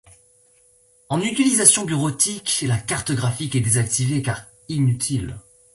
En utilisation bureautique, la carte graphique est désactivée car inutile.